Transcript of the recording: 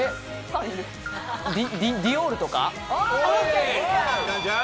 ディオールとか？